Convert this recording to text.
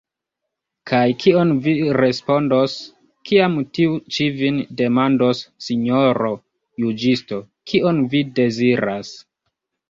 Kaj kion vi respondos, kiam tiu ĉi vin demandos sinjoro juĝisto, kion vi deziras?